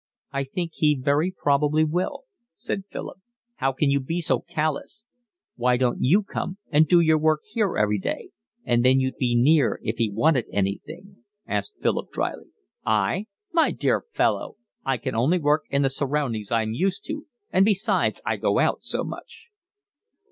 "I think he very probably will," said Philip. "How can you be so callous!" "Why don't you come and do your work here every day, and then you'd be near if he wanted anything?" asked Philip drily. "I? My dear fellow, I can only work in the surroundings I'm used to, and besides I go out so much."